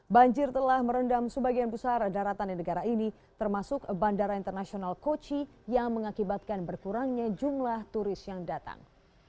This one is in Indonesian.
banjir telah merendam sebagian besar daratan di negara ini termasuk bandara internasional kochi yang mengakibatkan berkurangnya jumlah turis yang datang